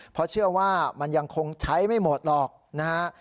เพราะเชื่อว่ามันยังคงใช้ไม่หมดหรอกนะฮะ